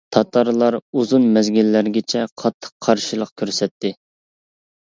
تاتارلار ئۇزۇن مەزگىللەرگىچە قاتتىق قارشىلىق كۆرسەتتى.